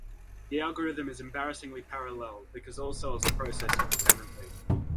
The algorithm is embarrassingly parallel, because all cells are processed independently.